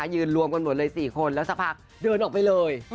ยืนรวมกันหมดเลย๔คนแล้วสักพักเดินออกไปเลย